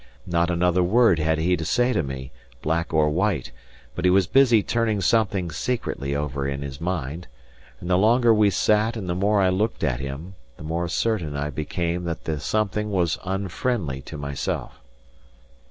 Not another word had he to say to me, black or white, but was busy turning something secretly over in his mind; and the longer we sat and the more I looked at him, the more certain I became that the something was unfriendly to myself.